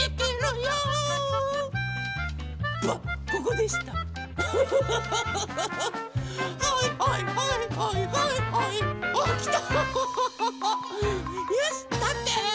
よしたって。